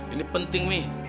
ini penting mi